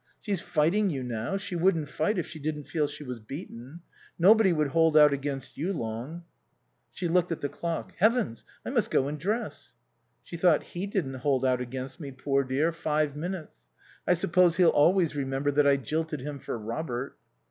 She's fighting you now. She wouldn't fight if she didn't feel she was beaten. Nobody could hold out against you long." She looked at the clock. "Heavens! I must go and dress." She thought: "He didn't hold out against me, poor dear, five minutes. I suppose he'll always remember that I jilted him for Robert."